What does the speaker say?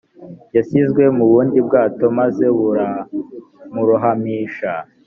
yashyizwe mu bundi bwato maze buramurohamisha